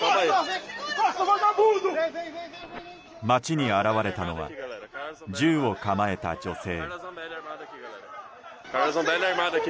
街に現れたのは銃を構えた女性。